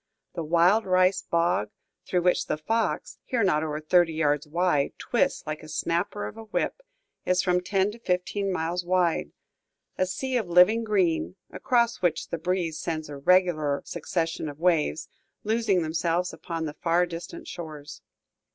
The wild rice bog, through which the Fox, here not over thirty yards wide, twists like the snapper of a whip, is from ten to fifteen miles wide, a sea of living green, across which the breeze sends a regular succession of waves, losing themselves upon the far distant shores.